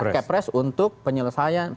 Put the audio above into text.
kepres untuk penyelesaian